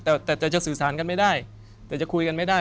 แต่แต่จะสื่อสารกันไม่ได้แต่จะคุยกันไม่ได้